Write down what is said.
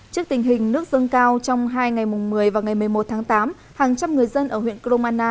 trước tình hình nước dâng cao trong hai ngày một mươi và ngày một mươi một tháng tám hàng trăm người dân ở huyện cromana